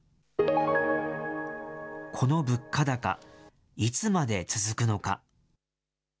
この物価高、いつまで続くのか。